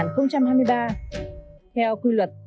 theo quy luật